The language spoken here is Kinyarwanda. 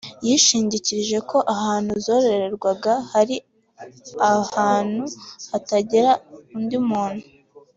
yishingikirije ko ahantu zororerwaga hari ahantu hatageraga undi muntu